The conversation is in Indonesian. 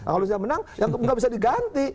kalau dia menang ya enggak bisa diganti